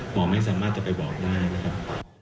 หมอไม่สามารถจะไปบอกได้นะครับ